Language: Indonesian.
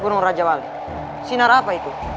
gunung raja bali sinar apa itu